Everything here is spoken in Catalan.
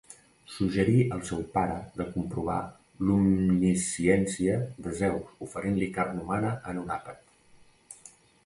Suggerí al seu pare de comprovar l'omnisciència de Zeus oferint-li carn humana en un àpat.